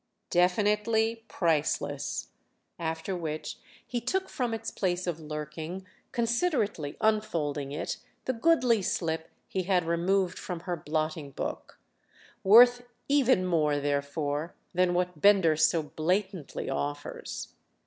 "Definitely priceless." After which he took from its place of lurking, considerately unfolding it, the goodly slip he had removed from her blotting book. "Worth even more therefore than what Bender so blatantly offers."